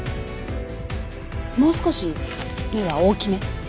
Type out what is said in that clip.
もう少し目は大きめ？